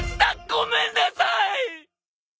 ごめんなさい。